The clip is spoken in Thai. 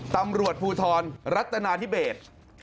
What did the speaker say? ตำรวจภูทรรัฐนาธิเบศ